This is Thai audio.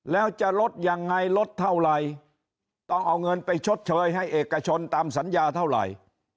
แล้วจะลดยังไงลดเท่าไหร่ต้องเอาเงินไปชดเชยให้เอกชนตามสัญญาเท่าไหร่